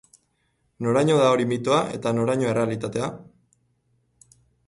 Noraino da hori mitoa eta noraino errealitatea?